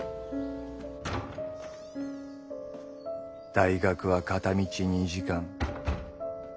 大学は片道２時間。